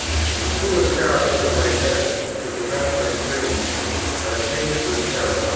He threw a scarf over my head, to prevent my screams, but I fainted with terror.